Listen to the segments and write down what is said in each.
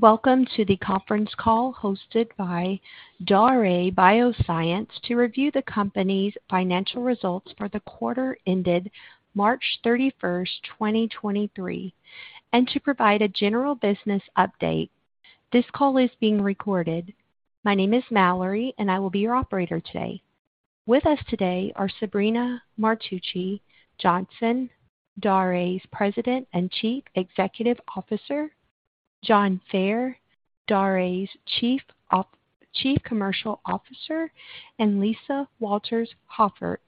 Welcome to the conference call hosted by Daré Bioscience to review the company's financial results for the quarter ended March 3first, 2023, and to provide a general business update. This call is being recorded. My name is Mallory, and I will be your operator today. With us today are Sabrina Martucci Johnson, Daré's President and Chief Executive Officer, John Fair, Daré's Chief Commercial Officer, and Lisa Walters-Hoffert,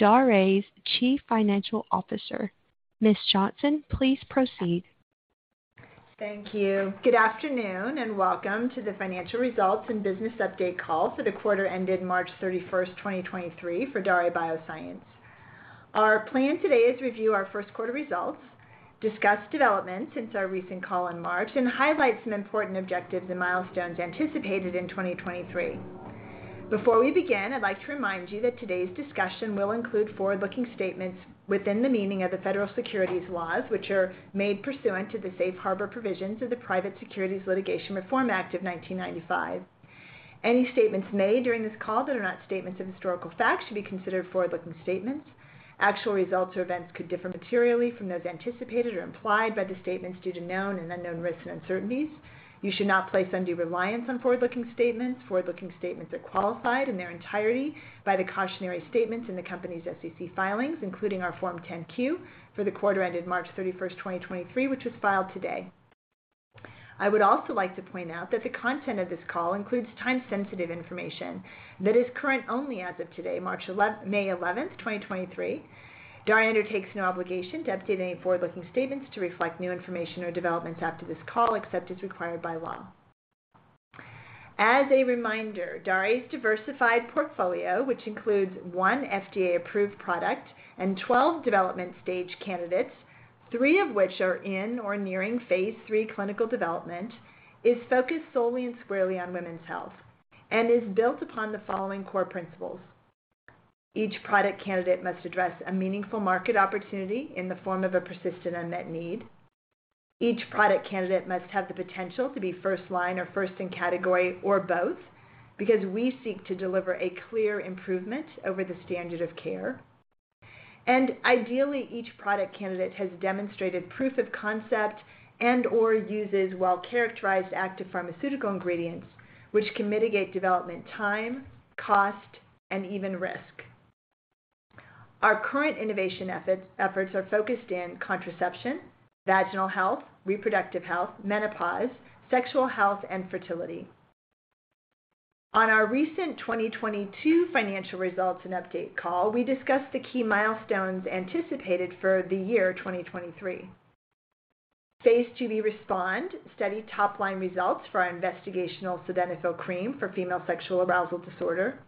Daré's Chief Financial Officer. Ms. Johnson, please proceed. Thank you. Good afternoon, welcome to the financial results and business update call for the quarter ended March 3first, 2023 for Daré Bioscience. Our plan today is to review our first quarter results, discuss developments since our recent call in March, and highlight some important objectives and milestones anticipated in 2023. Before we begin, I'd like to remind you that today's discussion will include forward-looking statements within the meaning of the Federal Securities laws, which are made pursuant to the safe harbor provisions of the Private Securities Litigation Reform Act of 1995. Any statements made during this call that are not statements of historical fact should be considered forward-looking statements. Actual results or events could differ materially from those anticipated or implied by the statements due to known and unknown risks and uncertainties. You should not place undue reliance on forward-looking statements. Forward-looking statements are qualified in their entirety by the cautionary statements in the company's SEC filings, including our Form 10-Q for the quarter ended March 31, 2023, which was filed today. I would also like to point out that the content of this call includes time-sensitive information that is current only as of today, May 11, 2023. Daré undertakes no obligation to update any forward-looking statements to reflect new information or developments after this call, except as required by law. As a reminder, Daré's diversified portfolio, which includes one FDA-approved product and 12 development stage candidates, three of which are in or nearing phase III clinical development, is focused solely and squarely on women's health and is built upon the following core principles. Each product candidate must address a meaningful market opportunity in the form of a persistent unmet need. Each product candidate must have the potential to be first-line or first in category or both, because we seek to deliver a clear improvement over the standard of care. Ideally, each product candidate has demonstrated proof of concept and/or uses well-characterized active pharmaceutical ingredients, which can mitigate development time, cost, and even risk. Our current innovation efforts are focused in contraception, vaginal health, reproductive health, menopause, sexual health, and fertility. On our recent 2022 financial results and update call, we discussed the key milestones anticipated for the year 2023.P Phase IIb respond study top-line results for Sildenafil Cream for female sexual arousal disorder,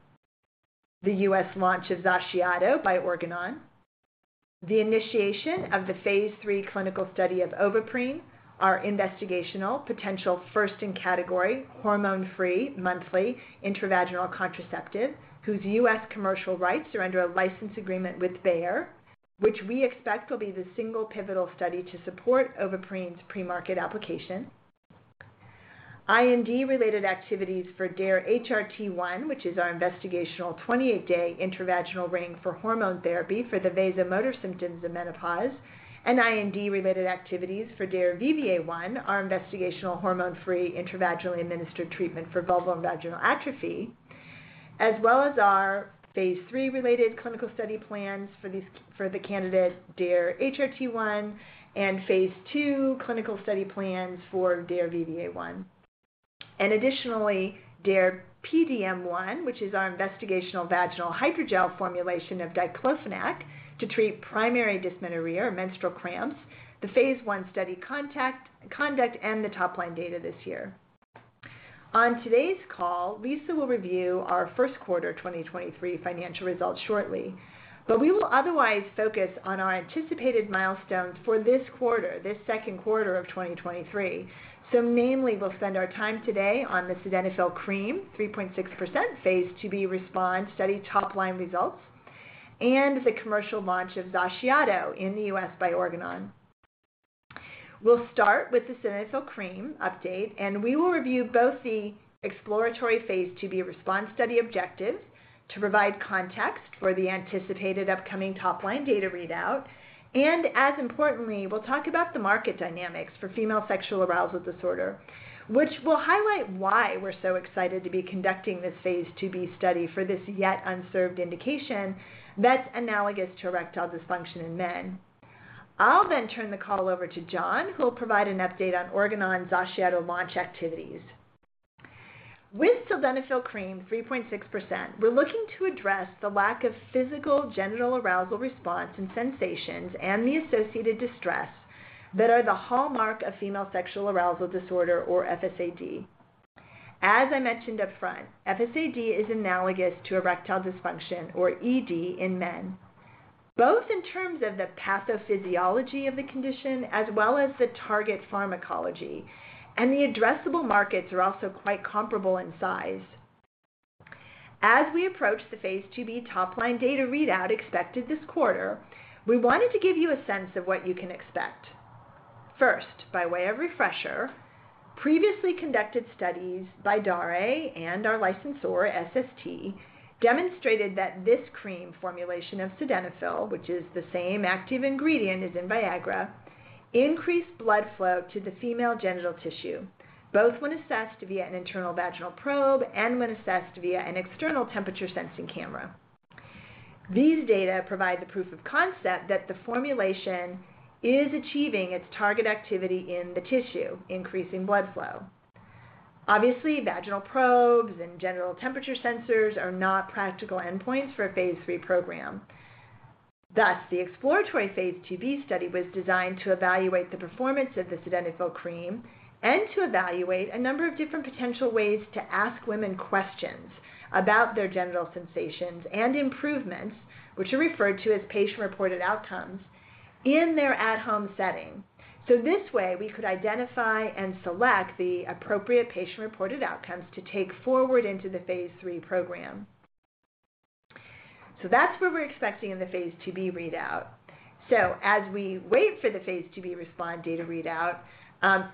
the U.S. launch of XACIATO by Organon, the initiation of the phase III clinical study of Ovaprene, our investigational potential first in category, hormone-free, monthly intravaginal contraceptive, whose U.S. commercial rights are under a license agreement with Bayer, which we expect will be the single pivotal study to support Ovaprene's pre-market application. IND-related activities for DARE-HRT1, which is our investigational 28-day intravaginal ring for hormone therapy for the vasomotor symptoms of menopause, IND-related activities for DARE-VVA1 our investigational hormone-free intravaginally administered treatment for vulvar and vaginal atrophy, as well as our phase III related clinical study plans for these for the candidate DARE-HRT1 and phase II clinical study plans for DARE-VVA1. Additionally, DARE-PDM1, which is our investigational vaginal hydrogel formulation of diclofenac to treat primary dysmenorrhea or menstrual cramps, the phase I study conduct and the top-line data this year. On today's call, Lisa will review our first quarter 2023 financial results shortly. We will otherwise focus on our anticipated milestones for this second quarter of 2023. Namely, we'll spend our time today on Sildenafil Cream, 3.6% phase IIb RESPOND study top-line results and the commercial launch of XACIATO in the U.S. by Organon. We'll start with Sildenafil Cream update. We will review both the exploratory phase IIb RESPOND study objective to provide context for the anticipated upcoming top-line data readout. As importantly, we'll talk about the market dynamics for female sexual arousal disorder, which will highlight why we're so excited to be conducting this phase IIb study for this yet unserved indication that's analogous to erectile dysfunction in men. I'll then turn the call over to John, who will provide an update on Organon's XACIATO launch activities. Sildenafil Cream, 3.6%, we're looking to address the lack of physical genital arousal response and sensations and the associated distress that are the hallmark of female sexual arousal disorder or FSAD. As I mentioned up front, FSAD is analogous to erectile dysfunction or ED in men, both in terms of the pathophysiology of the condition as well as the target pharmacology. The addressable markets are also quite comparable in size. As we approach the phase IIb top line data readout expected this quarter, we wanted to give you a sense of what you can expect. First, by way of refresher, previously conducted studies by Daré and our licensor, SST, demonstrated that this cream formulation of sildenafil, which is the same active ingredient as in Viagra, increased blood flow to the female genital tissue, both when assessed via an internal vaginal probe and when assessed via an external temperature sensing camera. These data provide the proof of concept that the formulation is achieving its target activity in the tissue, increasing blood flow. Obviously, vaginal probes and genital temperature sensors are not practical endpoints for a phase III program. Thus, the exploratory phase IIb study was designed to evaluate the performance of Sildenafil Cream and to evaluate a number of different potential ways to ask women questions about their genital sensations and improvements, which are referred to as patient-reported outcomes, in their at-home setting. This way, we could identify and select the appropriate patient-reported outcomes to take forward into the phase III program. That's what we're expecting in the phase IIb readout. As we wait for the phase IIb RESPOND data readout,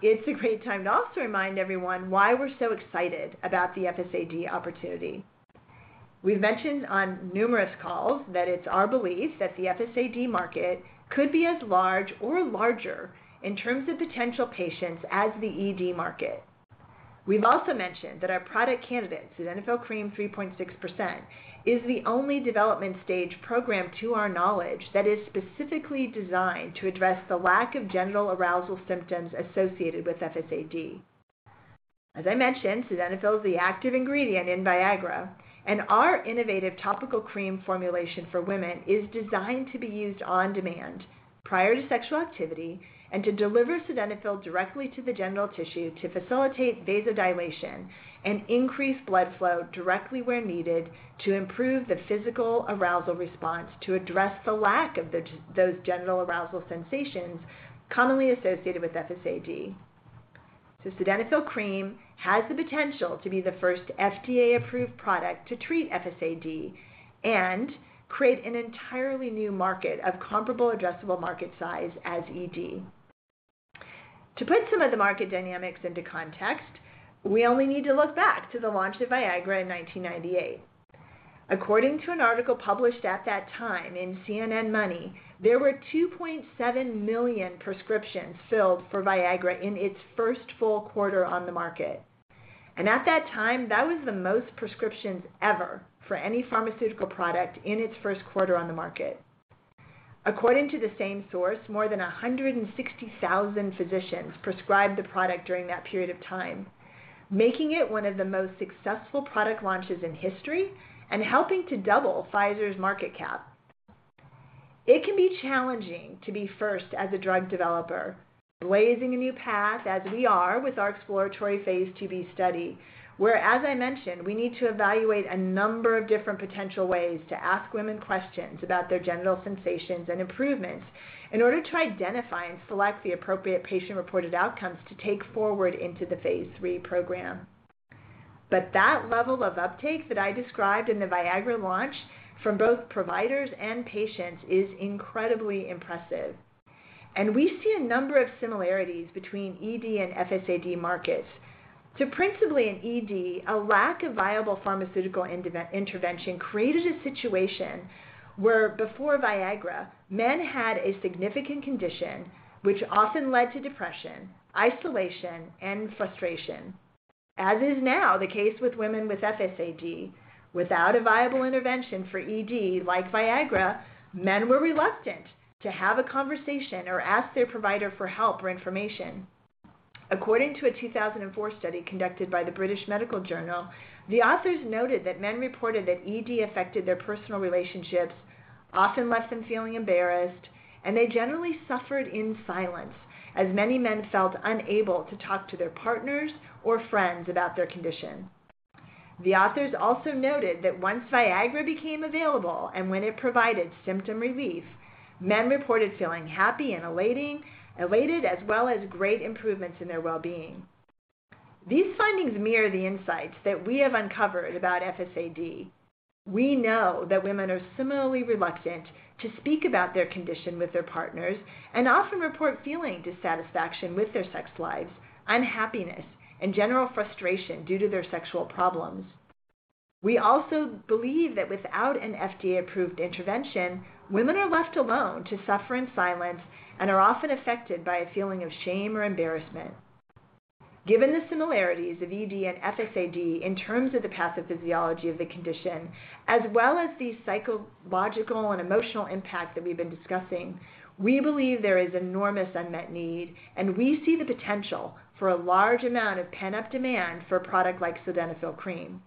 it's a great time to also remind everyone why we're so excited about the FSAD opportunity. We've mentioned on numerous calls that it's our belief that the FSAD market could be as large or larger in terms of potential patients as the ED market. We've also mentioned that our product Sildenafil Cream, 3.6%, is the only development stage program to our knowledge that is specifically designed to address the lack of genital arousal symptoms associated with FSAD. As I mentioned, sildenafil is the active ingredient in Viagra, and our innovative topical cream formulation for women is designed to be used on demand prior to sexual activity and to deliver sildenafil directly to the genital tissue to facilitate vasodilation and increase blood flow directly where needed to improve the physical arousal response to address the lack of those genital arousal sensations commonly associated with Sildenafil Cream has the potential to be the first FDA-approved product to treat FSAD and create an entirely new market of comparable addressable market size as ED. To put some of the market dynamics into context, we only need to look back to the launch of Viagra in 1998. According to an article published at that time in CNN Money, there were 2.7 million prescriptions filled for Viagra in its first full quarter on the market. At that time, that was the most prescriptions ever for any pharmaceutical product in its first quarter on the market. According to the same source, more than 160,000 physicians prescribed the product during that period of time, making it one of the most successful product launches in history and helping to double Pfizer's market cap. It can be challenging to be first as a drug developer, blazing a new path as we are with our exploratory phase IIb study, where, as I mentioned, we need to evaluate a number of different potential ways to ask women questions about their genital sensations and improvements in order to identify and select the appropriate patient-reported outcomes to take forward into the phase III program. That level of uptake that I described in the Viagra launch from both providers and patients is incredibly impressive, and we see a number of similarities between ED and FSAD markets. Principally in ED, a lack of viable pharmaceutical intervention created a situation where before Viagra, men had a significant condition which often led to depression, isolation, and frustration. As is now the case with women with FSAD, without a viable intervention for ED like Viagra, men were reluctant to have a conversation or ask their provider for help or information. According to a 2004 study conducted by the British Medical Journal, the authors noted that men reported that ED affected their personal relationships, often left them feeling embarrassed, and they generally suffered in silence, as many men felt unable to talk to their partners or friends about their condition. The authors also noted that once Viagra became available and when it provided symptom relief, men reported feeling happy and elated, as well as great improvements in their well-being. These findings mirror the insights that we have uncovered about FSAD. We know that women are similarly reluctant to speak about their condition with their partners and often report feeling dissatisfaction with their sex lives, unhappiness, and general frustration due to their sexual problems. We also believe that without an FDA-approved intervention, women are left alone to suffer in silence and are often affected by a feeling of shame or embarrassment. Given the similarities of ED and FSAD in terms of the pathophysiology of the condition, as well as the psychological and emotional impact that we've been discussing, we believe there is enormous unmet need, and we see the potential for a large amount of pent-up demand for a product Sildenafil Cream.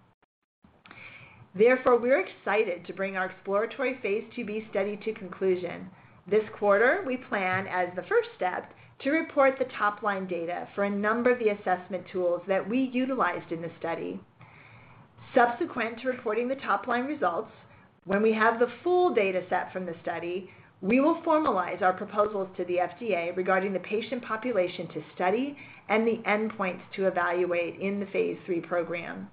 we're excited to bring our exploratory phase IIb study to conclusion. This quarter, we plan, as the first step, to report the top-line data for a number of the assessment tools that we utilized in the study. Subsequent to reporting the top-line results. When we have the full data set from the study, we will formalize our proposals to the FDA regarding the patient population to study and the endpoints to evaluate in the phase III program.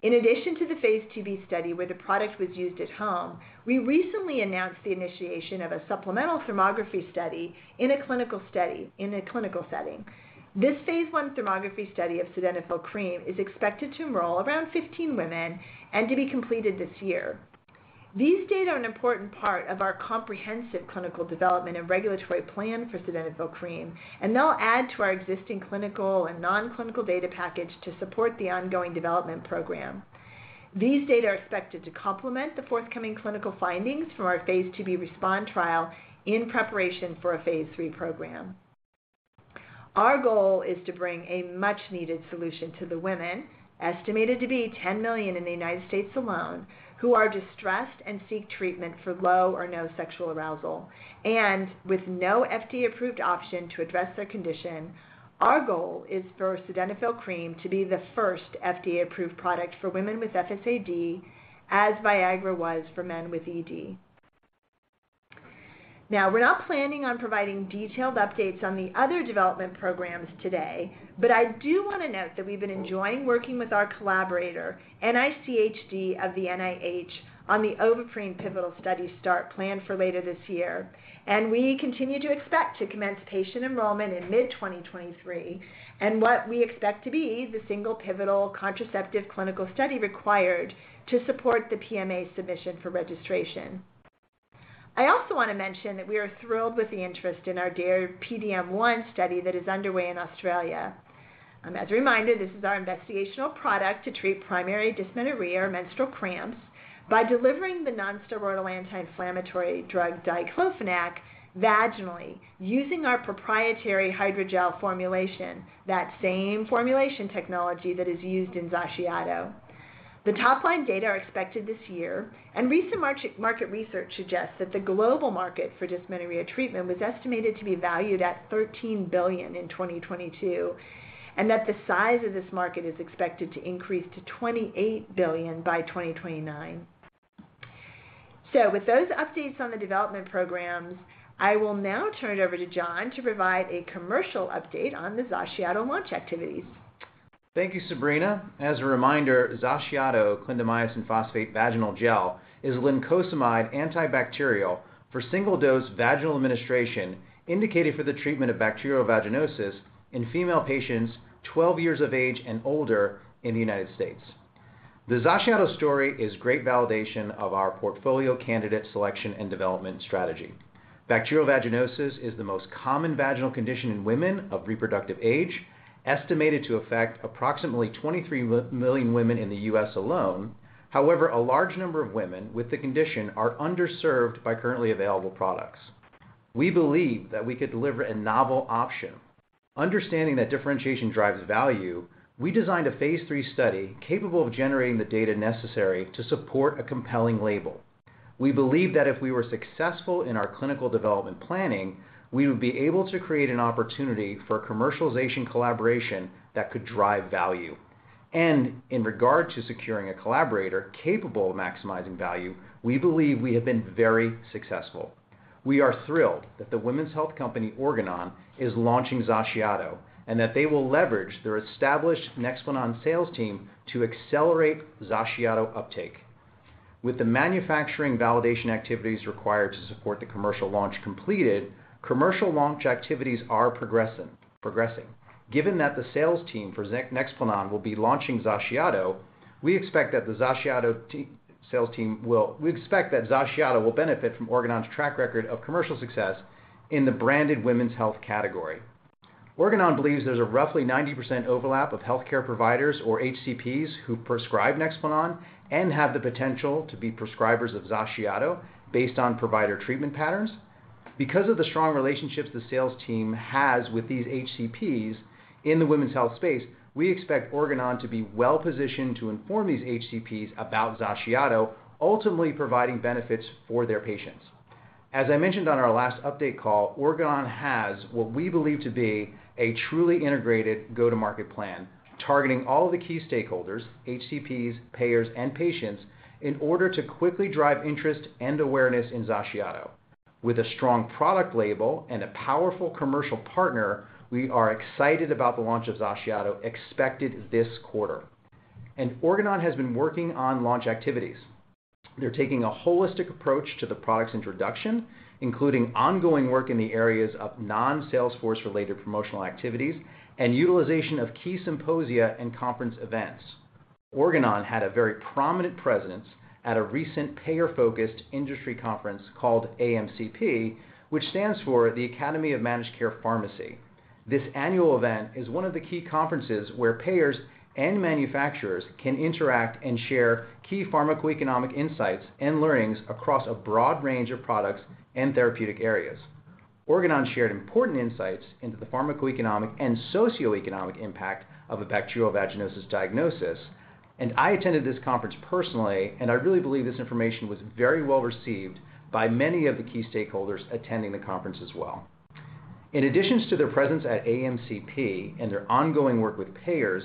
In addition to the phase IIb study where the product was used at home, we recently announced the initiation of a supplemental thermography study in a clinical setting. This phase 1 thermography study Sildenafil Cream is expected to enroll around 15 women and to be completed this year. These data are an important part of our comprehensive clinical development and regulatory plan Sildenafil Cream, and they'll add to our existing clinical and non-clinical data package to support the ongoing development program. These data are expected to complement the forthcoming clinical findings from our phase IIb RESPOND trial in preparation for a phase III program. Our goal is to bring a much-needed solution to the women, estimated to be 10 million in the United States alone, who are distressed and seek treatment for low or no sexual arousal. With no FDA-approved option to address their condition, our goal is Sildenafil Cream, 3.6% to be the first FDA-approved product for women with FSAD, as Viagra was for men with ED. We're not planning on providing detailed updates on the other development programs today, but I do wanna note that we've been enjoying working with our collaborator, NICHD of the NIH, on the Ovaprene pivotal study start planned for later this year. We continue to expect to commence patient enrollment in mid-2023, and what we expect to be the single pivotal contraceptive clinical study required to support the PMA submission for registration. I also wanna mention that we are thrilled with the interest in our DARE-PDM1 study that is underway in Australia. As a reminder, this is our investigational product to treat primary dysmenorrhea or menstrual cramps by delivering the non-steroidal anti-inflammatory drug diclofenac vaginally using our proprietary hydrogel formulation, that same formulation technology that is used in XACIATO. The top-line data are expected this year, and recent market research suggests that the global market for dysmenorrhea treatment was estimated to be valued at $13 billion in 2022, and that the size of this market is expected to increase to $28 billion by 2029. With those updates on the development programs, I will now turn it over to John to provide a commercial update on the XACIATO launch activities. Thank you, Sabrina. As a reminder, XACIATO clindamycin phosphate vaginal gel is a lincosamide antibacterial for single-dose vaginal administration indicated for the treatment of bacterial vaginosis in female patients 12 years of age and older in the United States. The XACIATO story is great validation of our portfolio candidate selection and development strategy. Bacterial vaginosis is the most common vaginal condition in women of reproductive age, estimated to affect approximately 23 million women in the U.S. alone. However, a large number of women with the condition are underserved by currently available products. We believe that we could deliver a novel option. Understanding that differentiation drives value, we designed a phase III study capable of generating the data necessary to support a compelling label. We believe that if we were successful in our clinical development planning, we would be able to create an opportunity for commercialization collaboration that could drive value. In regard to securing a collaborator capable of maximizing value, we believe we have been very successful. We are thrilled that the women's health company, Organon, is launching XACIATO, and that they will leverage their established NEXPLANON sales team to accelerate XACIATO uptake. With the manufacturing validation activities required to support the commercial launch completed, commercial launch activities are progressing. Given that the sales team for NEXPLANON will be launching XACIATO, we expect that XACIATO will benefit from Organon's track record of commercial success in the branded women's health category. Organon believes there's a roughly 90% overlap of healthcare providers or HCPs who prescribe NEXPLANON and have the potential to be prescribers of XACIATO based on provider treatment patterns. Because of the strong relationships the sales team has with these HCPs in the women's health space, we expect Organon to be well-positioned to inform these HCPs about XACIATO, ultimately providing benefits for their patients. As I mentioned on our last update call, Organon has what we believe to be a truly integrated go-to-market plan, targeting all of the key stakeholders, HCPs, payers, and patients, in order to quickly drive interest and awareness in XACIATO. With a strong product label and a powerful commercial partner, we are excited about the launch of XACIATO expected this quarter. Organon has been working on launch activities. They're taking a holistic approach to the product's introduction, including ongoing work in the areas of non-sales force-related promotional activities and utilization of key symposia and conference events. Organon had a very prominent presence at a recent payer-focused industry conference called AMCP, which stands for the Academy of Managed Care Pharmacy. This annual event is one of the key conferences where payers and manufacturers can interact and share key pharmacoeconomic insights and learnings across a broad range of products and therapeutic areas. Organon shared important insights into the pharmacoeconomic and socioeconomic impact of a bacterial vaginosis diagnosis, and I attended this conference personally, and I really believe this information was very well-received by many of the key stakeholders attending the conference as well. In addition to their presence at AMCP and their ongoing work with payers,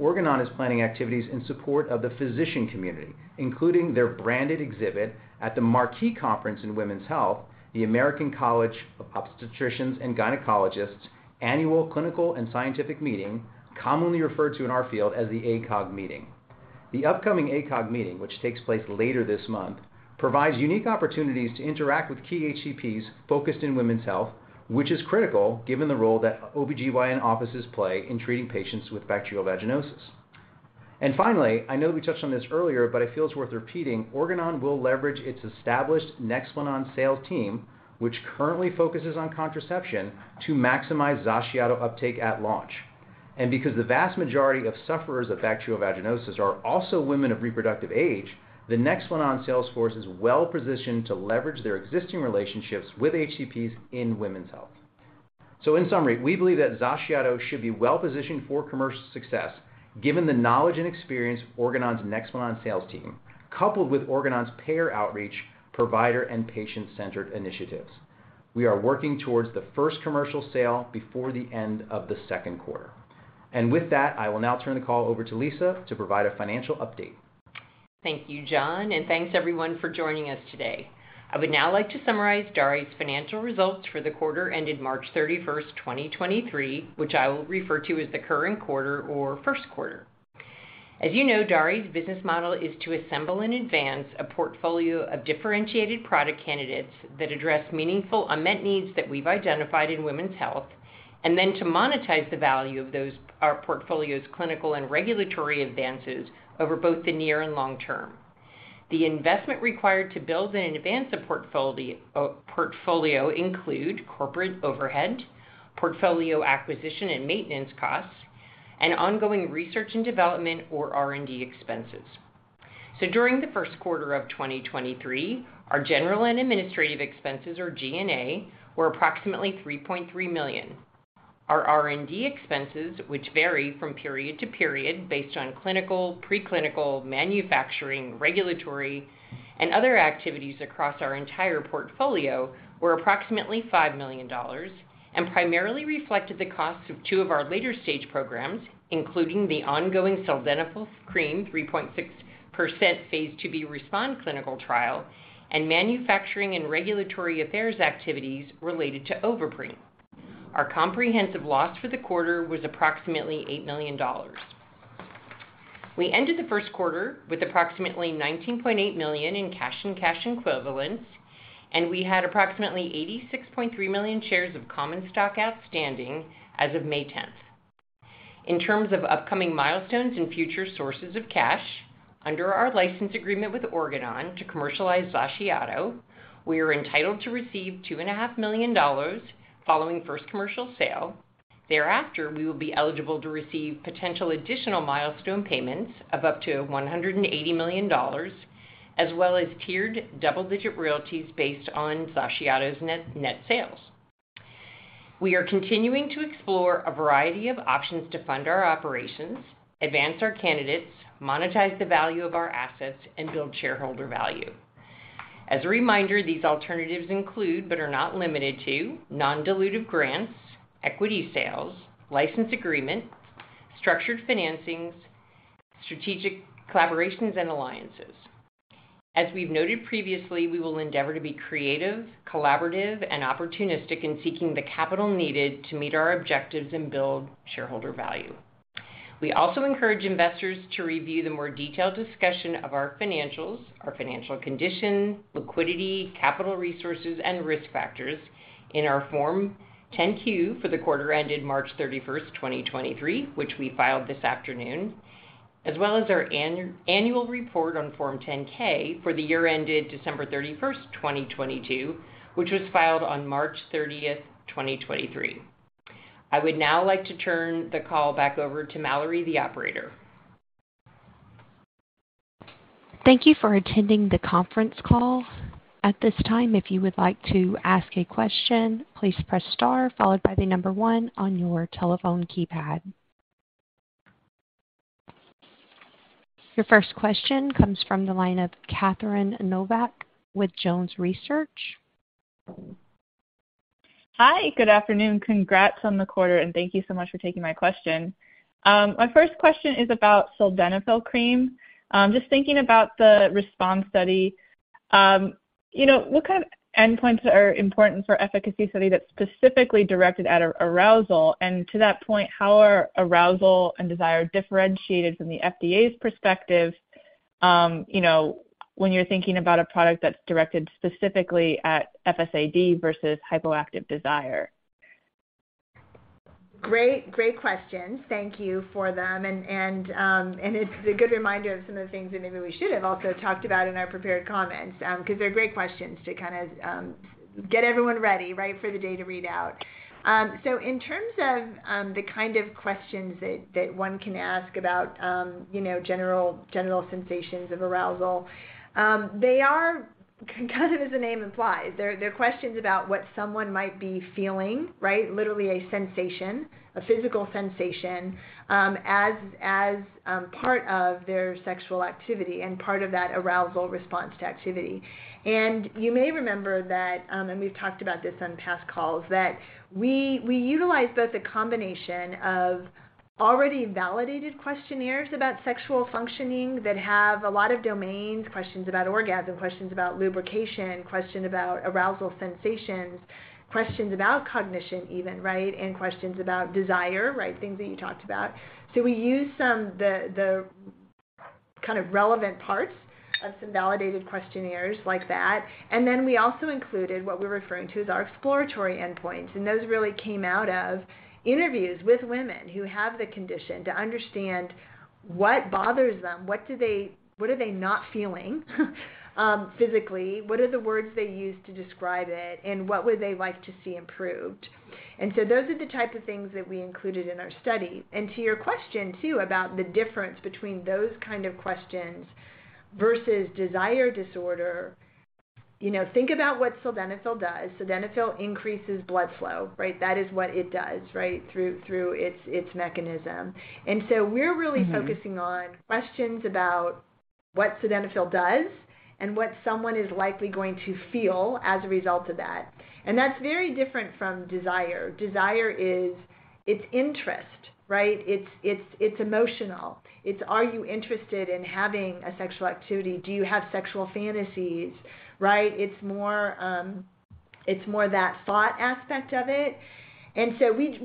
Organon is planning activities in support of the physician community, including their branded exhibit at the Marquee Conference in Women's Health, the American College of Obstetricians and Gynecologists Annual Clinical and Scientific Meeting, commonly referred to in our field as the ACOG meeting. The upcoming ACOG meeting, which takes place later this month, provides unique opportunities to interact with key HCPs focused in women's health, which is critical given the role that OBGYN offices play in treating patients with bacterial vaginosis. Finally, I know we touched on this earlier, but it feels worth repeating. Organon will leverage its established NEXPLANON sales team, which currently focuses on contraception, to maximize XACIATO uptake at launch. Because the vast majority of sufferers of bacterial vaginosis are also women of reproductive age, the NEXPLANON sales force is well-positioned to leverage their existing relationships with HCPs in women's health. In summary, we believe that XACIATO should be well-positioned for commercial success given the knowledge and experience of Organon's NEXPLANON sales team, coupled with Organon's payer outreach, provider, and patient-centered initiatives. We are working towards the first commercial sale before the end of the second quarter. With that, I will now turn the call over to Lisa to provide a financial update. Thank you, John, and thanks everyone for joining us today. I would now like to summarize Daré's financial results for the quarter ended March 31, 2023, which I will refer to as the current quarter or first quarter. As you know, Daré's business model is to assemble and advance a portfolio of differentiated product candidates that address meaningful unmet needs that we've identified in women's health and then to monetize the value of our portfolio's clinical and regulatory advances over both the near and long term. The investment required to build and advance a portfolio include corporate overhead, portfolio acquisition and maintenance costs, and ongoing research and development or R&D expenses. During the first quarter of 2023, our general and administrative expenses or G&A were approximately $3.3 million. Our R&D expenses, which vary from period to period based on clinical, preclinical, manufacturing, regulatory, and other activities across our entire portfolio, were approximately $5 million and primarily reflected the costs of two of our later-stage programs, including the Sildenafil Cream, 3.6% phase IIb RESPOND clinical trial and manufacturing and regulatory affairs activities related to Ovaprene. Our comprehensive loss for the quarter was approximately $8 million. We ended the first quarter with approximately $19.8 million in cash and cash equivalents, and we had approximately 86.3 million shares of common stock outstanding as of May 10th. In terms of upcoming milestones and future sources of cash, under our license agreement with Organon to commercialize XACIATO, we are entitled to receive two and a half million dollars following first commercial sale. Thereafter, we will be eligible to receive potential additional milestone payments of up to $180 million as well as tiered double-digit royalties based on XACIATO's net sales. We are continuing to explore a variety of options to fund our operations, advance our candidates, monetize the value of our assets, and build shareholder value. As a reminder, these alternatives include, but are not limited to non-dilutive grants, equity sales, license agreements, structured financings, strategic collaborations, and alliances. As we've noted previously, we will endeavor to be creative, collaborative, and opportunistic in seeking the capital needed to meet our objectives and build shareholder value. We also encourage investors to review the more detailed discussion of our financials, our financial condition, liquidity, capital resources, and risk factors in our Form 10-Q for the quarter ended March 31st, 2023, which we filed this afternoon, as well as our annual report on Form 10-K for the year ended December 31st, 2022, which was filed on March 30th, 2023. I would now like to turn the call back over to Mallory, the operator. Thank you for attending the conference call. At this time, if you would like to ask a question, please press star followed by 1 on your telephone keypad. Your first question comes from the line of Catherine Novack with Jones Research. Hi. Good afternoon. Congrats on the quarter. Thank you so much for taking my question. My first question is Sildenafil Cream. just thinking about the RESPOND study, you know, what kind of endpoints are important for efficacy study that's specifically directed at arousal? To that point, how are arousal and desire differentiated from the FDA's perspective, you know, when you're thinking about a product that's directed specifically at FSAD versus hypoactive desire? Great. Great questions. Thank you for them. It's a good reminder of some of the things that maybe we should have also talked about in our prepared comments, 'cause they're great questions to kind of get everyone ready, right, for the data readout. In terms of the kind of questions that one can ask about, you know, general sensations of arousal, they are, kind of as the name implies, they're questions about what someone might be feeling, right? Literally a sensation, a physical sensation, as part of their sexual activity and part of that arousal response to activity. You may remember that, and we've talked about this on past calls, that we utilize both a combination of already validated questionnaires about sexual functioning that have a lot of domains, questions about orgasm, questions about lubrication, question about arousal sensations, questions about cognition even, right, and questions about desire, right, things that you talked about. We use the Kind of relevant parts of some validated questionnaires like that. We also included what we're referring to as our exploratory endpoints, those really came out of interviews with women who have the condition to understand what bothers them, what are they not feeling physically? What are the words they use to describe it, and what would they like to see improved? Those are the types of things that we included in our study. To your question too, about the difference between those kind of questions versus desire disorder. You know, think about what sildenafil does. Sildenafil increases blood flow, right? That is what it does, right? Through its mechanism. We're really. Mm-hmm. focusing on questions about what sildenafil does and what someone is likely going to feel as a result of that. That's very different from desire. Desire is interest, right? It's emotional. It's are you interested in having a sexual activity? Do you have sexual fantasies, right? It's more that thought aspect of it.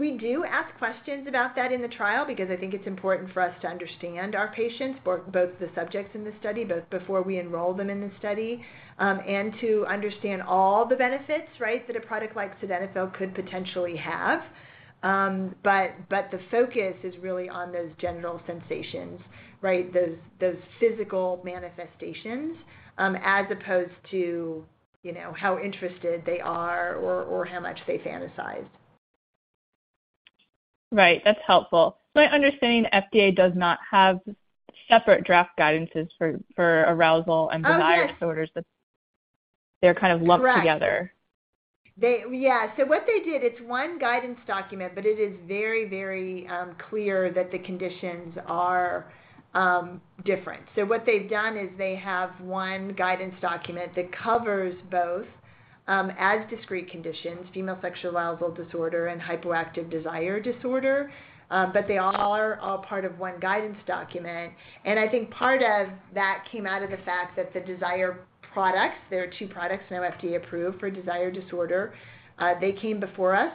We do ask questions about that in the trial because I think it's important for us to understand our patients, for the subjects in the study before we enroll them in the study, and to understand all the benefits, right, that a product like sildenafil could potentially have. The focus is really on those genital sensations, right? Those physical manifestations, as opposed to, you know, how interested they are or how much they fantasize. Right. That's helpful. My understanding, FDA does not have separate draft guidances for arousal and desire. Yeah. -disorders. That they're kind of lumped together. Right. Yeah. What they did, it's one guidance document, but it is very, very clear that the conditions are different. What they've done is they have one guidance document that covers both as discrete conditions, female sexual arousal disorder and hypoactive desire disorder. But they all are all part of one guidance document. I think part of that came out of the fact that the desire products, there are two products now FDA approved for desire disorder. They came before us,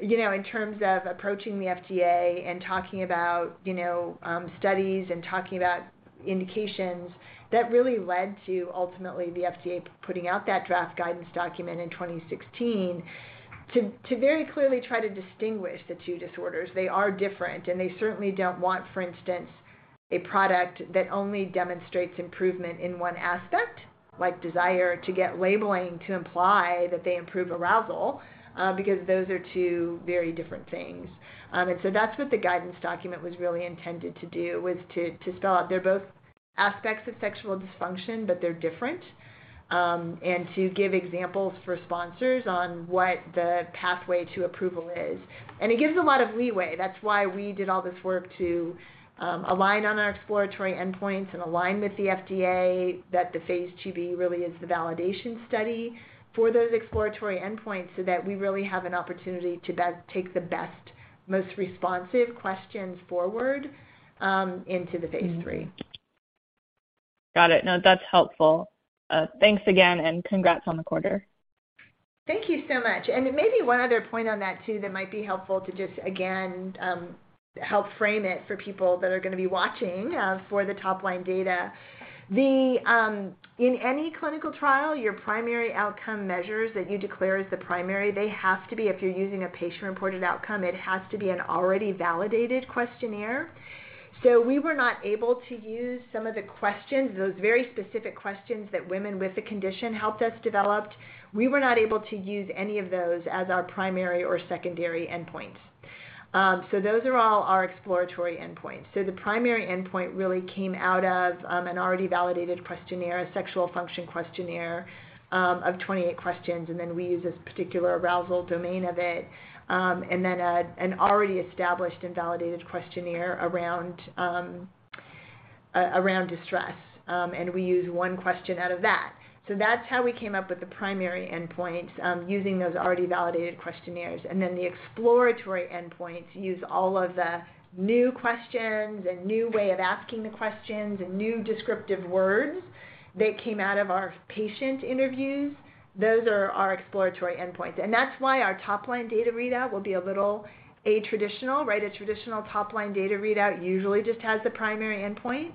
you know, in terms of approaching the FDA and talking about, you know, studies and talking about indications. That really led to ultimately the FDA putting out that draft guidance document in 2016 to very clearly try to distinguish the two disorders. They are different, they certainly don't want, for instance, a product that only demonstrates improvement in one aspect, like desire, to get labeling to imply that they improve arousal, because those are two very different things. That's what the guidance document was really intended to do, was to spell out they're both aspects of sexual dysfunction, but they're different. To give examples for sponsors on what the pathway to approval is. It gives a lot of leeway. That's why we did all this work to align on our exploratory endpoints and align with the FDA that the phase IIb really is the validation study for those exploratory endpoints, so that we really have an opportunity to take the best, most responsive questions forward, into the phase III. Got it. No, that's helpful. Thanks again, and congrats on the quarter. Thank you so much. Maybe one other point on that too that might be helpful to just again, help frame it for people that are gonna be watching for the top-line data. In any clinical trial, your primary outcome measures that you declare as the primary, if you're using a patient-reported outcome, it has to be an already validated questionnaire. We were not able to use some of the questions, those very specific questions that women with the condition helped us developed. We were not able to use any of those as our primary or secondary endpoints. Those are all our exploratory endpoints. The primary endpoint really came out of an already validated questionnaire, a sexual function questionnaire, of 28 questions, and then we use this particular arousal domain of it. Then an already established and validated questionnaire around distress. We use one question out of that. That's how we came up with the primary endpoints, using those already validated questionnaires. Then the exploratory endpoints use all of the new questions and new way of asking the questions and new descriptive words that came out of our patient interviews. Those are our exploratory endpoints. That's why our top-line data readout will be a little atraditional, right? A traditional top-line data readout usually just has the primary endpoint.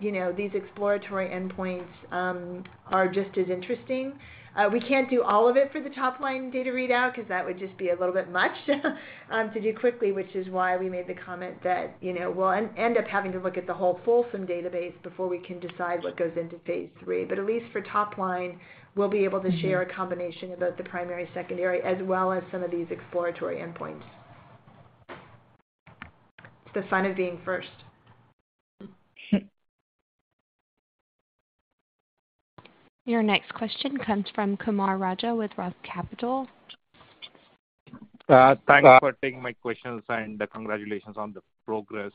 You know, these exploratory endpoints, are just as interesting. We can't do all of it for the top-line data readout 'cause that would just be a little bit much to do quickly, which is why we made the comment that, you know, we'll end up having to look at the whole fulsome database before we can decide what goes into phase III. At least for top line, we'll be able to share a combination of both the primary, secondary, as well as some of these exploratory endpoints. It's the fun of being first. Your next question comes from Kumar Raja with Roth Capital Partners. Thanks for taking my questions, and congratulations on the progress.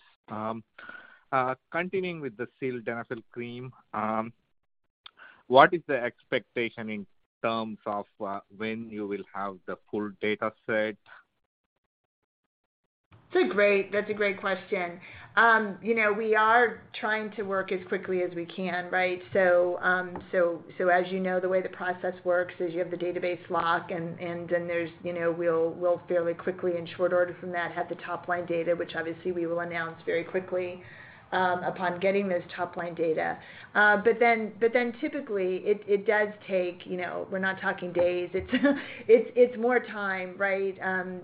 Continuing with Sildenafil Cream. what is the expectation in terms of, when you will have the full data set? That's a great question. You know, we are trying to work as quickly as we can, right? As you know, the way the process works is you have the database lock and then there's, you know, we'll fairly quickly in short order from that have the top-line data, which obviously we will announce very quickly upon getting those top-line data. Typically, it does take, you know, we're not talking days. It's more time, right,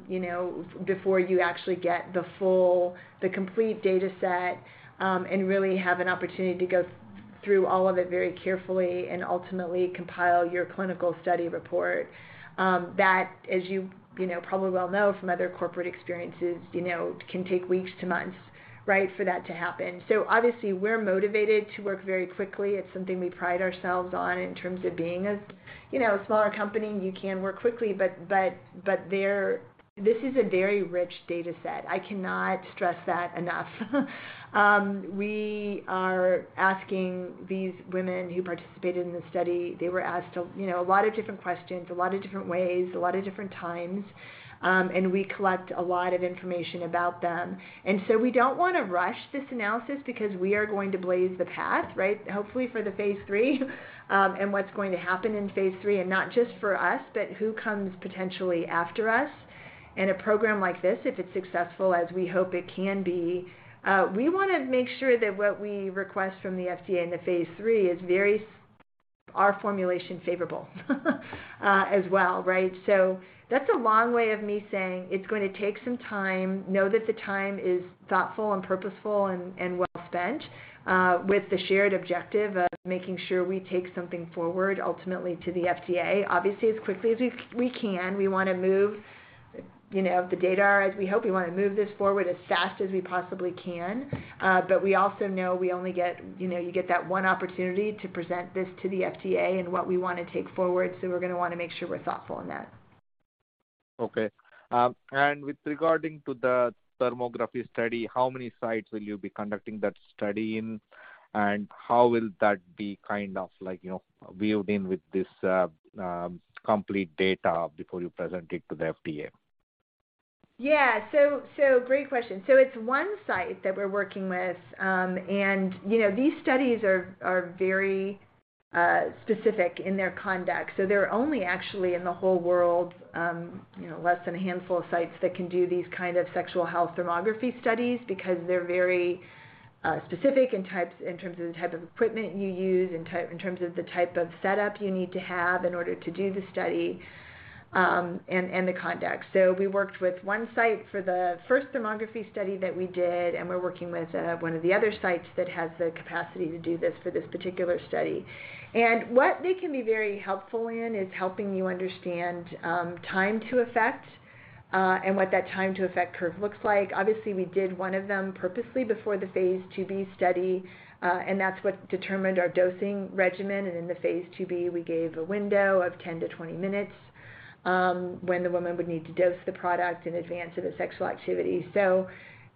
you know, before you actually get the complete data set, and really have an opportunity to go through all of it very carefully and ultimately compile your clinical study report. That as you know, probably well know from other corporate experiences, you know, can take weeks to months, right, for that to happen. Obviously, we're motivated to work very quickly. It's something we pride ourselves on in terms of being a, you know, a smaller company, you can work quickly. This is a very rich data set. I cannot stress that enough. We are asking these women who participated in the study, they were asked a, you know, a lot of different questions, a lot of different ways, a lot of different times, and we collect a lot of information about them. We don't wanna rush this analysis because we are going to blaze the path, right, hopefully for the phase three, and what's going to happen in phase three, and not just for us, but who comes potentially after us. In a program like this, if it's successful as we hope it can be, we wanna make sure that what we request from the FDA in the phase three is very our formulation favorable, as well, right? That's a long way of me saying it's gonna take some time. Know that the time is thoughtful and purposeful and well spent, with the shared objective of making sure we take something forward ultimately to the FDA. Obviously, as quickly as we can. We wanna move, you know, if the data are as we hope, we wanna move this forward as fast as we possibly can. We also know we only get, you know, you get that one opportunity to present this to the FDA and what we wanna take forward, so we're gonna wanna make sure we're thoughtful in that. Okay. With regarding to the thermography study, how many sites will you be conducting that study in? How will that be kind of like, you know, wheeled in with this complete data before you present it to the FDA? Great question. It's one site that we're working with. and, you know, these studies are very specific in their conduct. They're only actually in the whole world, you know, less than a handful of sites that can do these kind of sexual health thermography studies because they're very specific in terms of the type of equipment you use, in terms of the type of setup you need to have in order to do the study, and the conduct. We worked with one site for the first thermography study that we did, and we're working with one of the other sites that has the capacity to do this for this particular study. What they can be very helpful in is helping you understand time to effect, and what that time to effect curve looks like. Obviously, we did one of them purposely before the phase IIb study, and that's what determined our dosing regimen. In the phase IIb, we gave a window of 10-20 minutes, when the woman would need to dose the product in advance of the sexual activity.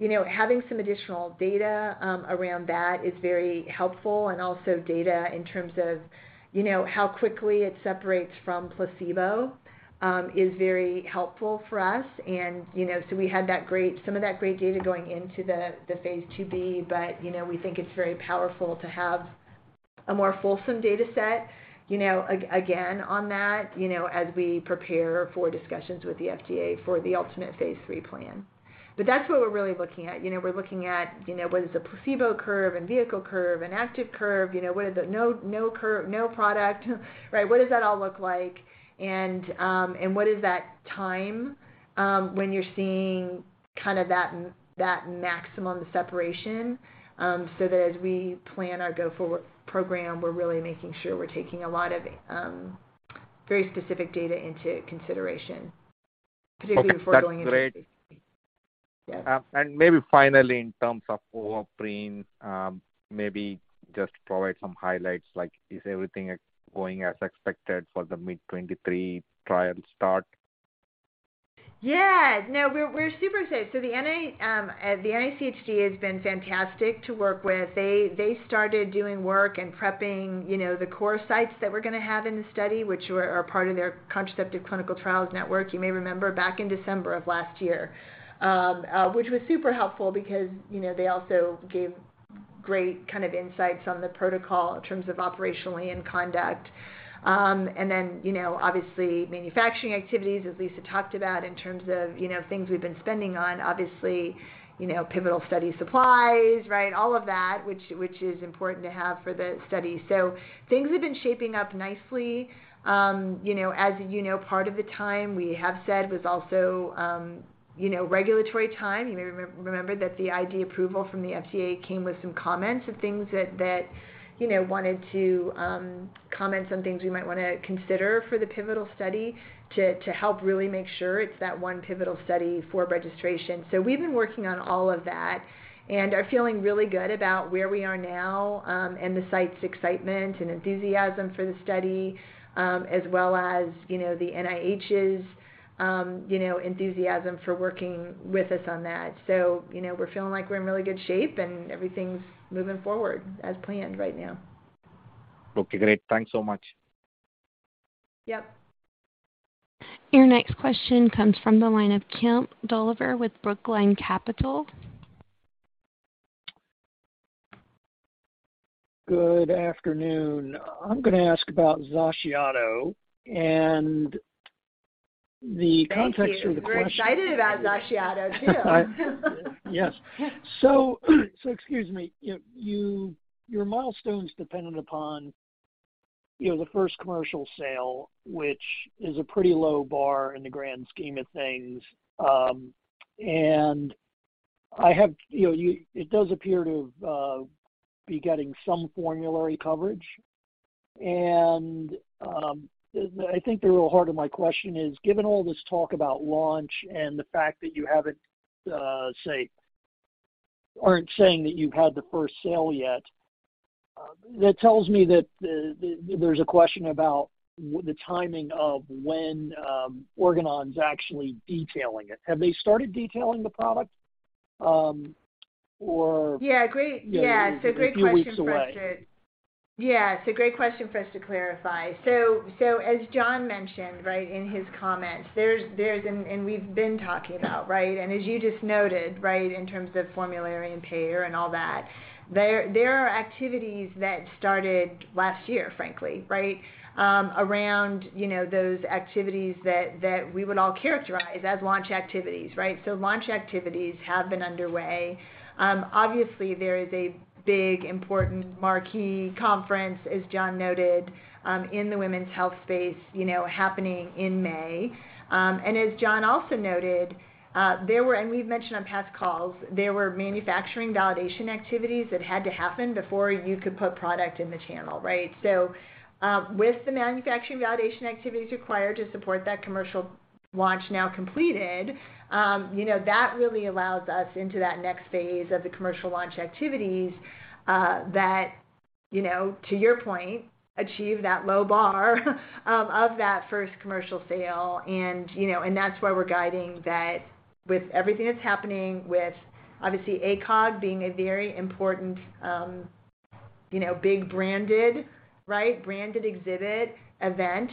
You know, having some additional data around that is very helpful, and also data in terms of, you know, how quickly it separates from placebo, is very helpful for us. You know, so we had that great data going into the phase IIb. You know, we think it's very powerful to have a more fulsome data set, you know, again on that, you know, as we prepare for discussions with the FDA for the ultimate phase III plan. That's what we're really looking at. You know, we're looking at, you know, what is the placebo curve and vehicle curve and active curve? You know, what is the no curve, no product? Right? What does that all look like? What is that time when you're seeing kind of that maximum separation, so that as we plan our go-forward program, we're really making sure we're taking a lot of very specific data into consideration, particularly before going into phase III. Okay. That's great. Yeah. Maybe finally in terms of Ovaprene, maybe just provide some highlights, like is everything going as expected for the mid 2023 trial start? Yeah. No, we're super excited. The NICHD has been fantastic to work with. They started doing work and prepping, you know, the core sites that we're gonna have in the study, which are part of their Contraceptive Clinical Trials Network, you may remember back in December of last year. Which was super helpful because, you know, they also gave great kind of insights on the protocol in terms of operationally and conduct. Obviously manufacturing activities, as Lisa talked about, in terms of, you know, things we've been spending on, obviously, you know, pivotal study supplies, right? All of that, which is important to have for the study. Things have been shaping up nicely. You know, as you know, part of the time we have said was also, regulatory time. You may remember that the IND approval from the FDA came with some comments of things that, you know, wanted to comment some things we might wanna consider for the pivotal study to help really make sure it's that one pivotal study for registration. We've been working on all of that and are feeling really good about where we are now, and the site's excitement and enthusiasm for the study, as well as, you know, the NIH's, you know, enthusiasm for working with us on that. We're feeling like we're in really good shape and everything's moving forward as planned right now. Okay, great. Thanks so much. Yep. Your next question comes from the line of Kemp Dolliver with Brookline Capital. Good afternoon. I'm gonna ask about XACIATO and the context for the question- Thank you. We're excited about XACIATO too. Yes. Excuse me. You your milestones depended upon, you know, the first commercial sale, which is a pretty low bar in the grand scheme of things. I have, you know, it does appear to be getting some formulary coverage and, I think the real heart of my question is, given all this talk about launch and the fact that you haven't, say, aren't saying that you've had the first sale yet, that tells me that the there's a question about the timing of when Organon's actually detailing it. Have they started detailing the product? Yeah, great, yeah. Great question for us. A few weeks away. Yeah. It's a great question for us to clarify. As John mentioned, right, in his comments, and we've been talking about, right? As you just noted, right, in terms of formulary and payer and all that, there are activities that started last year, frankly, right, around, you know, those activities that we would all characterize as launch activities, right? Launch activities have been underway. Obviously there is a big important marquee conference, as John noted, in the women's health space, you know, happening in May. As John also noted, there were, and we've mentioned on past calls, there were manufacturing validation activities that had to happen before you could put product in the channel, right? With the manufacturing validation activities required to support that commercial launch now completed, you know, that really allows us into that next phase of the commercial launch activities, that, you know, to your point, achieve that low bar of that first commercial sale. You know, and that's why we're guiding that with everything that's happening with obviously ACOG being a very important, you know, big branded, right, branded exhibit event,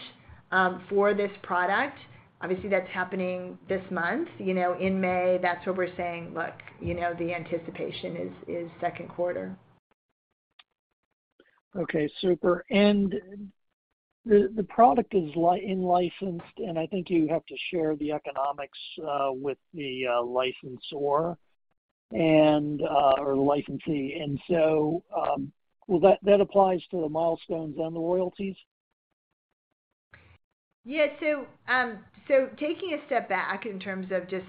for this product. Obviously that's happening this month, you know. In May, that's where we're saying, look, you know, the anticipation is, second quarter. Okay, super. The product is in-licensed, I think you have to share the economics with the licensor and or licensee. Well, that applies to the milestones and the royalties? Taking a step back in terms of just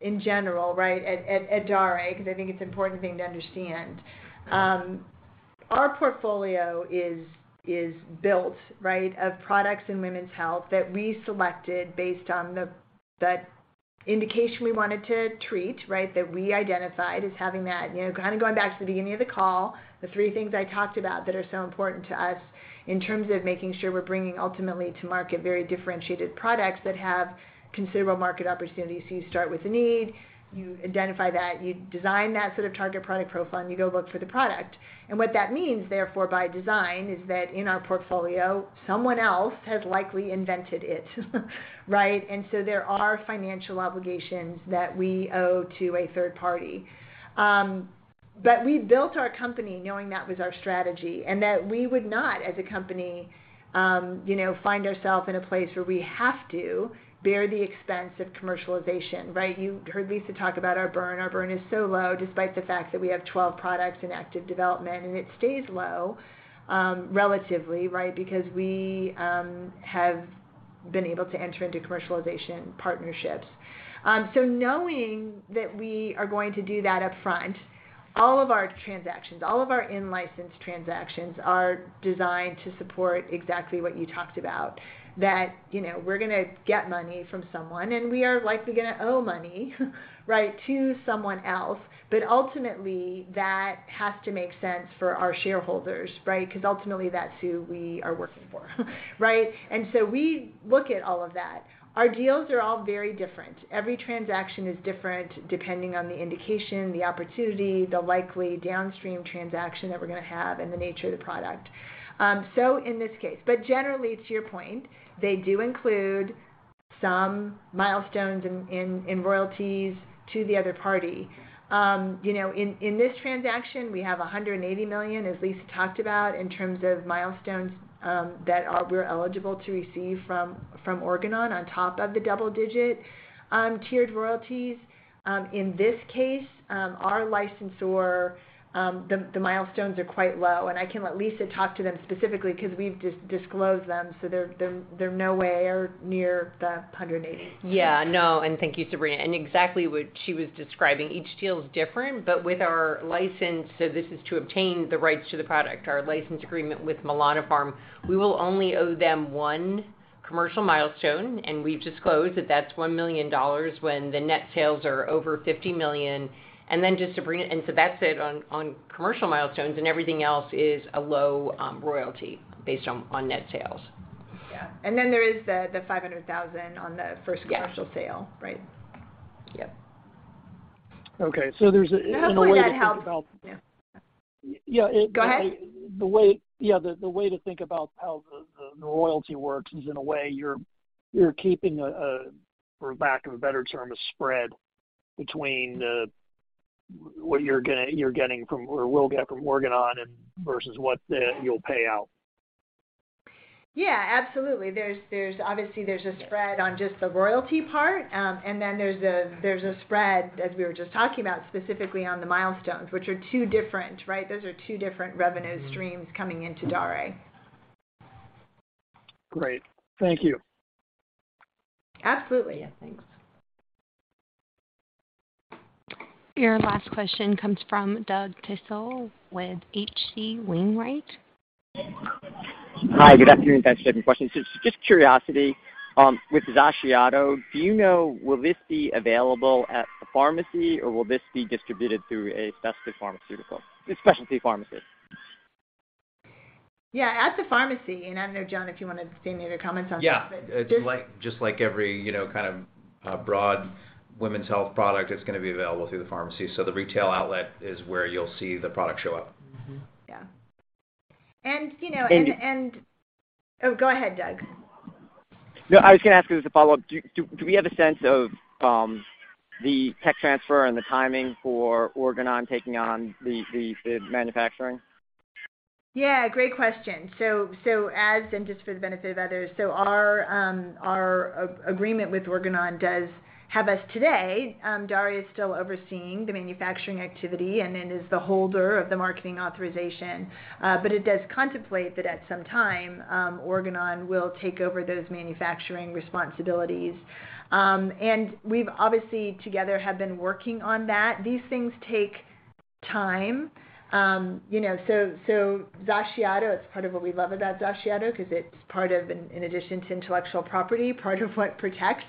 in general, right, at Daré, because I think it's an important thing to understand. Our portfolio is built, right, of products in women's health that we selected based on the indication we wanted to treat, right, that we identified as having that. You know, kind of going back to the beginning of the call, the three things I talked about that are so important to us in terms of making sure we're bringing ultimately to market very differentiated products that have considerable market opportunities. You start with the need, you identify that, you design that sort of target product profile, and you go look for the product. What that means, therefore, by design, is that in our portfolio, someone else has likely invented it, right? There are financial obligations that we owe to a third party. We built our company knowing that was our strategy and that we would not, as a company, you know, find ourself in a place where we have to bear the expense of commercialization, right? You heard Lisa talk about our burn. Our burn is so low despite the fact that we have 12 products in active development, and it stays low, relatively, right, because we have been able to enter into commercialization partnerships. Knowing that we are going to do that upfront, all of our transactions, all of our in-licensed transactions are designed to support exactly what you talked about. That, you know, we're gonna get money from someone, and we are likely gonna owe money, right, to someone else. Ultimately that has to make sense for our shareholders, right? Because ultimately that's who we are working for, right? We look at all of that. Our deals are all very different. Every transaction is different depending on the indication, the opportunity, the likely downstream transaction that we're gonna have, and the nature of the product. So in this case... Generally, to your point, they do include some milestones in royalties to the other party. You know, in this transaction, we have $180 million, as Lisa talked about, in terms of milestones, that we're eligible to receive from Organon on top of the double-digit, tiered royalties. In this case, our licensor, the milestones are quite low and I can let Lisa talk to them specifically 'cause we've disclosed them, so they're nowhere near the $180 million. Yeah. No, thank you, Sabrina. Exactly what she was describing. Each deal is different. With our license, so this is to obtain the rights to the product, our license agreement with MilanaPharm LLC, we will only owe them one commercial milestone, and we've disclosed that that's $1 million when the net sales are over $50 million. Just Sabrina. That's it on commercial milestones and everything else is a low royalty based on net sales. Yeah. Then there is the $500,000 on the first- Yeah. commercial sale. Right? Yep. Okay, in a way to think about. How does that help? Yeah. Yeah. Go ahead. Yeah, the way to think about how the royalty works is in a way you're keeping a, for lack of a better term, a spread between what you're getting from or will get from Organon and versus what you'll pay out. Yeah, absolutely. There's obviously there's a spread on just the royalty part. Then there's a spread, as we were just talking about specifically on the milestones, which are two different, right? Those are two different revenue streams coming into Daré. Great. Thank you. Absolutely. Yeah, thanks. Your last question comes from Douglas Tsao with H.C. Wainwright. Hi. Good afternoon. Thanks for taking my question. Just curiosity, with XACIATO, do you know, will this be available at the pharmacy or will this be distributed through a specialty pharmaceutical, a specialty pharmacy? Yeah, at the pharmacy. I don't know, John, if you wanted to say any other comments on that. Yeah. It's like, just like every, you know, kind of, broad women's health product, it's gonna be available through the pharmacy. The retail outlet is where you'll see the product show up. Mm-hmm. Yeah. You know, and... Oh, go ahead, Doug. No, I was gonna ask you as a follow-up, do we have a sense of the tech transfer and the timing for Organon taking on the manufacturing? Great question. As, just for the benefit of others, our agreement with Organon does have us today, Daré is still overseeing the manufacturing activity and then is the holder of the marketing authorization. But it does contemplate that at some time, Organon will take over those manufacturing responsibilities. And we've obviously together have been working on that. These things take time. You know, XACIATO, it's part of what we love about XACIATO 'cause it's part of in addition to intellectual property, part of what protects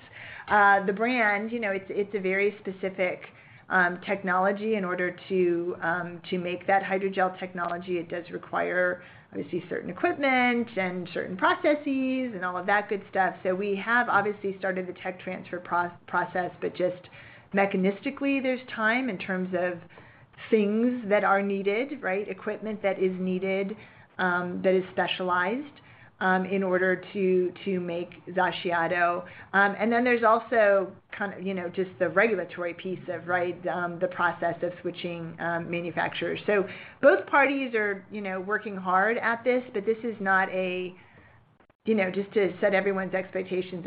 the brand. You know, it's a very specific technology in order to make that hydrogel technology. It does require, obviously, certain equipment and certain processes and all of that good stuff. we have obviously started the tech transfer process, but just mechanistically there's time in terms of things that are needed, right? Equipment that is needed, that is specialized, in order to make XACIATO. There's also kind of, you know, just the regulatory piece of, right, the process of switching manufacturers. Both parties are, you know, working hard at this, but this is not a, you know, just to set everyone's expectations,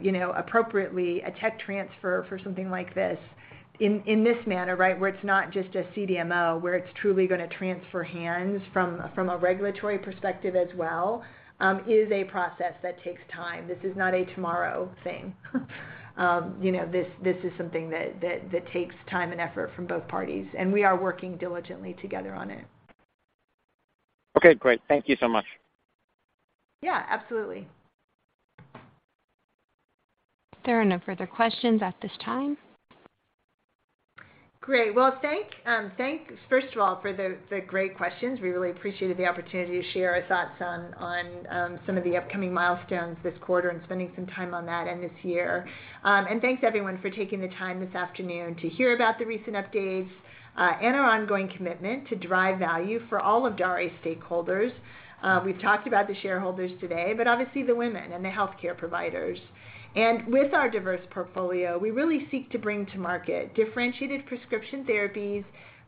you know, appropriately, a tech transfer for something like this in this manner, right, where it's not just a CDMO, where it's truly gonna transfer hands from a, from a regulatory perspective as well, is a process that takes time. This is not a tomorrow thing. You know, this is something that takes time and effort from both parties, and we are working diligently together on it. Okay, great. Thank you so much. Yeah, absolutely. There are no further questions at this time. Great. Well, thank, thanks first of all for the great questions. We really appreciated the opportunity to share our thoughts on, some of the upcoming milestones this quarter and spending some time on that and this year. Thanks everyone for taking the time this afternoon to hear about the recent updates, and our ongoing commitment to drive value for all of Daré stakeholders. We've talked about the shareholders today, but obviously the women and the healthcare providers. With our diverse portfolio, we really seek to bring to market differentiated prescription therapies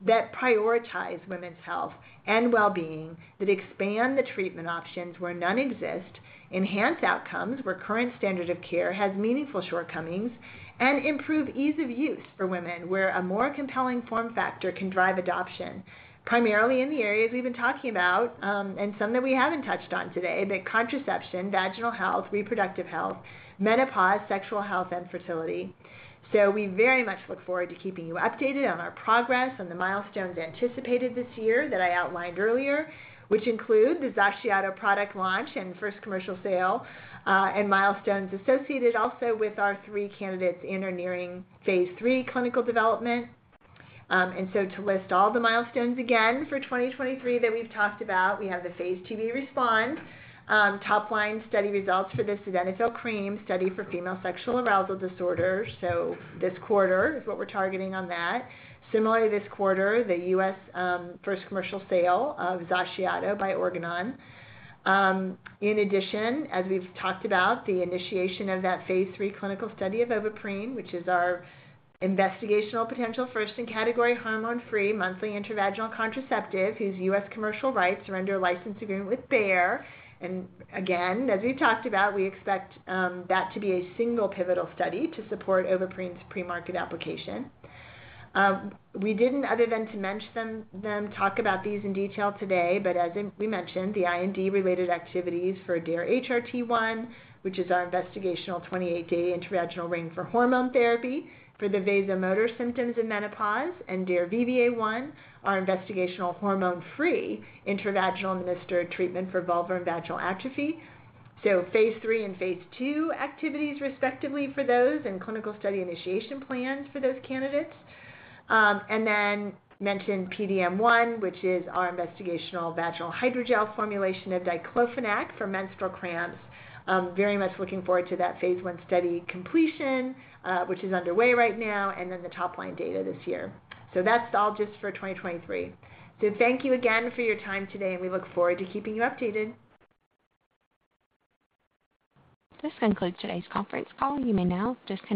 that prioritize women's health and well-being, that expand the treatment options where none exist, enhance outcomes where current standard of care has meaningful shortcomings, and improve ease of use for women where a more compelling form factor can drive adoption, primarily in the areas we've been talking about, and some that we haven't touched on today, contraception, vaginal health, reproductive health, menopause, sexual health, and fertility. We very much look forward to keeping you updated on our progress on the milestones anticipated this year that I outlined earlier, which include the XACIATO product launch and first commercial sale, and milestones associated also with our three candidates in or nearing phase III clinical development. To list all the milestones again for 2023 that we've talked about, we have the phase IIb RESPOND top line study results for Sildenafil Cream study for female sexual arousal disorder. This quarter is what we're targeting on that. Similarly, this quarter, the U.S. first commercial sale of XACIATO by Organon. In addition, as we've talked about, the initiation of that phase III clinical study of Ovaprene, which is our investigational potential first in category hormone-free monthly intravaginal contraceptive, whose U.S. commercial rights to render a license agreement with Bayer. Again, as we talked about, we expect that to be a single pivotal study to support Ovaprene's premarket application. We didn't other than to mention them talk about these in detail today. As in we mentioned, the IND-related activities for DARE-HRT1, which is our investigational 28-day intravaginal ring for hormone therapy for the vasomotor symptoms in menopause and DARE-VVA1, our investigational hormone-free intravaginal minister treatment for vulvar and vaginal atrophy. phase III and phase II activities respectively for those and clinical study initiation plans for those candidates. Mentioned DARE-PDM1, which is our investigational vaginal hydrogel formulation of diclofenac for menstrual cramps. Very much looking forward to that phase I study completion, which is underway right now, and then the top line data this year. That's all just for 2023. Thank you again for your time today, and we look forward to keeping you updated. This concludes today's conference call. You may now disconnect.